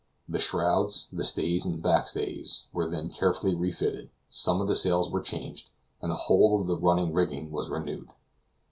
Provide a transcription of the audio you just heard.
The shrouds, the stays and backstays, were then carefully refitted, some of the sails were changed, and the whole of the running rigging was renewed.